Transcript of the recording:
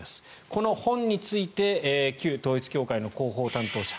この本について旧統一教会の広報担当者